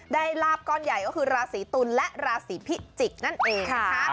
ได้ราบก่อนใหญ่ก็คือราศีตุ๋นและราศีพิจิกนั่นเอง